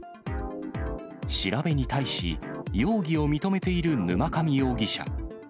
調べに対し、容疑を認めている沼上容疑者。